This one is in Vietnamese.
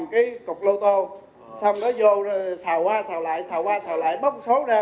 cái cục lô tô xong rồi vô xào qua xào lại xào qua xào lại bóc số ra